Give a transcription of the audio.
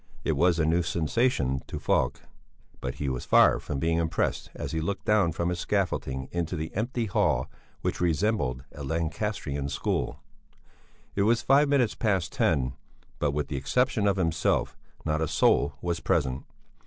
It was a new sensation to Falk; but he was far from being impressed as he looked down from his scaffolding into the empty hall which resembled a Lancastrian school. It was five minutes past ten, but with the exception of himself, not a soul was present.